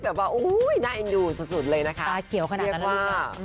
แบบว่าหน้าเอ็นดูสุดเลยนะคะ